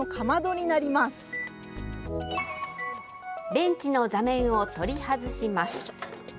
ベンチの座面を取り外します。